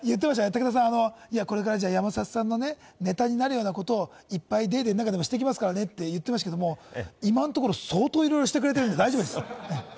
武田さん、これから山里さんのね、ネタになることをいっぱい『ＤａｙＤａｙ．』の中でもしていきますからねと言ってましたけれども、今のところ相当いろいろしてくれているんで大丈夫ですよ。